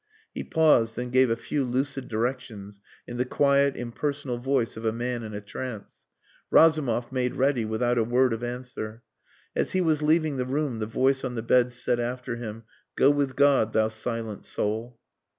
He paused, then gave a few lucid directions in the quiet impersonal voice of a man in a trance. Razumov made ready without a word of answer. As he was leaving the room the voice on the bed said after him "Go with God, thou silent soul."